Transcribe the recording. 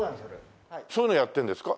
そういうのやってるんですか？